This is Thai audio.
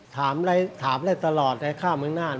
ถามได้ตลอดไอ้ข้าวเมืองน่าน